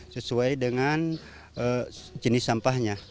sesuai dengan jenis sampahnya